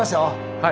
はい。